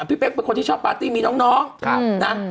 พี่เป๊กเป็นคนที่ชอบปาร์ตี้มีน้องนะ